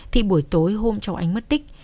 thì buổi tối hôm cháu ánh mất tích